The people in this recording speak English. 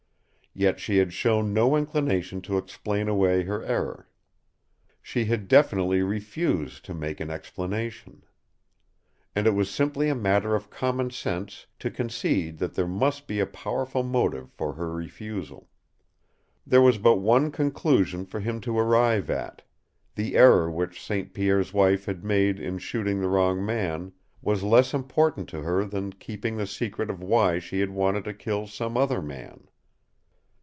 Yet she had shown no inclination to explain away her error. She had definitely refused to make an explanation. And it was simply a matter of common sense to concede that there must be a powerful motive for her refusal. There was but one conclusion for him to arrive at the error which St. Pierre's wife had made in shooting the wrong man was less important to her than keeping the secret of why she had wanted to kill some other man.